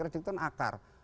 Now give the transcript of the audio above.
reddick itu kan akar